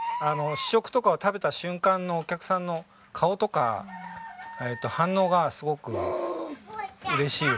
試食とかを食べた瞬間のお客さんの顔とか反応がすごく嬉しいですね。